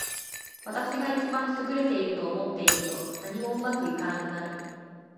私が一番優れていると思っていると、何もうまくいかなくなる。